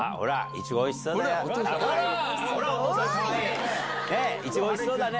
イチゴおいしそうだね。